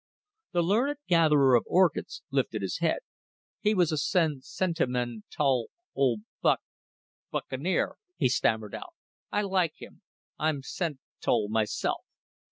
The learned gatherer of orchids lifted his head. "He was a sen sentimen tal old buc buccaneer," he stammered out, "I like him. I'm sent tal myself."